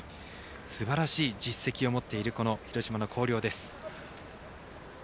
すばらしい実績を持っている広島の広陵です。